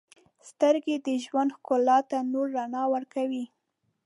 • سترګې د ژوند ښکلا ته نور رڼا ورکوي.